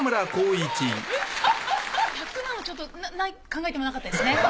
１００万はちょっと考えてなかったですね。